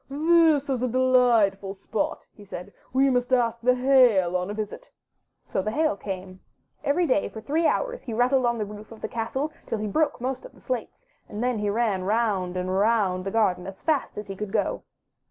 "This is a delightful spot,'' he said, "we must ask the Hail on a visit." So the Hail came. Every day for three hours he rattled on the roof of the castle till he broke most of the slates, and then he ran round and round 247 M Y BOOK HOUSE the garden as fast as he could go.